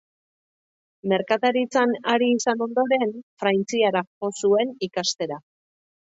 Merkataritzan ari izan ondoren, Frantziara jo zuen ikastera.